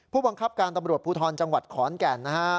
ผู้บังคับการตำรวจภูทรจังหวัดขอนแก่นนะฮะ